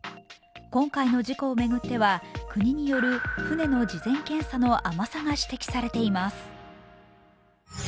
今回の事故を巡っては国による船の事前検査の甘さが指摘されています。